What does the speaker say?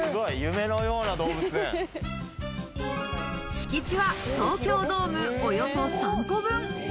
敷地は東京ドームおよそ３個分。